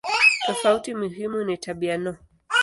Tofauti muhimu ni tabia no.